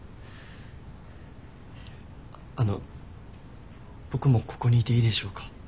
あの僕もここにいていいでしょうか？